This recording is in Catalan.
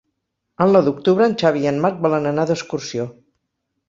El nou d'octubre en Xavi i en Marc volen anar d'excursió.